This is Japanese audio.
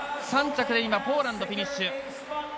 ３着でポーランド、フィニッシュ。